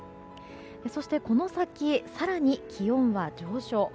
そして、この先更に気温は上昇。